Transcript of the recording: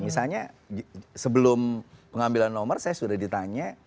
misalnya sebelum pengambilan nomor saya sudah ditanya